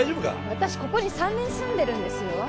私ここに３年住んでるんですよ